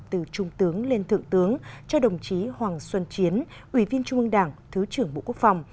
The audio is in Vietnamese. từ trung tướng lên thượng tướng cho đồng chí hoàng xuân chiến ủy viên trung ương đảng thứ trưởng bộ quốc phòng